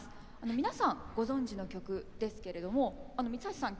皆さんご存じの曲ですけれども三ツ橋さん